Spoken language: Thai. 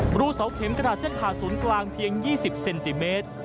รูเสาเข็มกระดาษเส้นผ่าศูนย์กลางเพียง๒๐เซนติเมตร